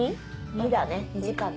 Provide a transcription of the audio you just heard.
２だね２時間で。